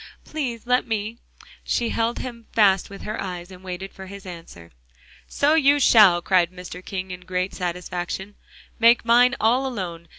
Please let me." She held him fast with her eyes, and waited for his answer. "So you shall!" cried Mr. King in great satisfaction, "make mine all alone.